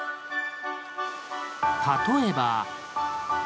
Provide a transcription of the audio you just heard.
例えば。